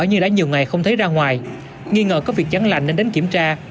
như đã nhiều ngày không thấy ra ngoài nghi ngờ có việc chắn lành nên đến kiểm tra